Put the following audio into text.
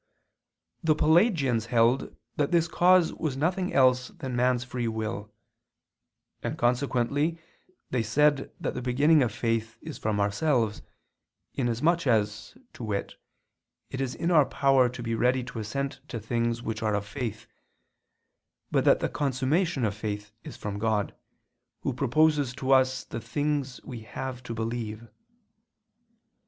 The Pelagians held that this cause was nothing else than man's free will: and consequently they said that the beginning of faith is from ourselves, inasmuch as, to wit, it is in our power to be ready to assent to things which are of faith, but that the consummation of faith is from God, Who proposes to us the things we have to believe.